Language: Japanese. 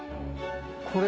これ。